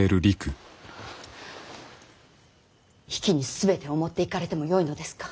比企に全てを持っていかれてもよいのですか。